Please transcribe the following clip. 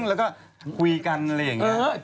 แล้วก็คุยกันแล้วอย่างงี้